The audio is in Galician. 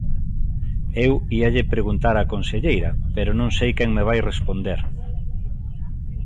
Eu íalle preguntar á conselleira, pero non sei quen me vai responder.